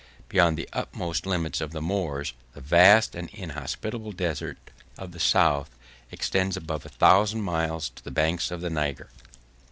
Beyond the utmost limits of the Moors, the vast and inhospitable desert of the South extends above a thousand miles to the banks of the Niger.